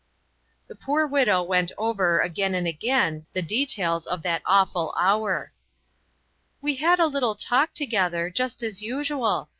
The poor widow went over, again and again, the details of .that awful hour: " We had a little talk together, just as usual.